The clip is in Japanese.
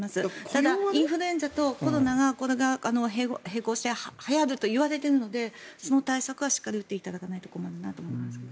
ただ、インフルエンザとコロナがこれが並行してはやるといわれているのでその対策はしっかり打っていただかないと困るなと思いますね。